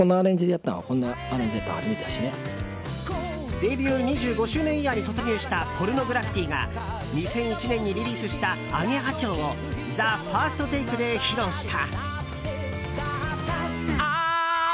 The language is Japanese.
デビュー２５周年イヤーに突入したポルノグラフィティが２００１年にリリースした「アゲハ蝶」を「ＴＨＥＦＩＲＳＴＴＡＫＥ」で披露した。